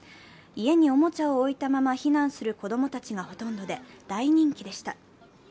家におもちゃを置いたまま避難する子供たちがほとんどで、大人気でした。